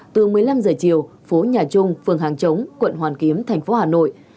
từ một mươi năm h chiều phố nhà trung phường hàng chống quận hoàn kiếm thành phố hà nội